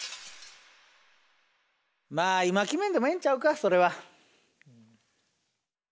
まあ今決めんでもええんちゃうかそれは。